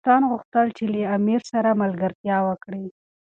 هندوستان غوښتل چي له امیر سره ملګرتیا وکړي.